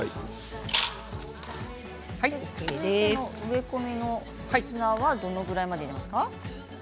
植え込みの砂はどれくらいまで入れますか？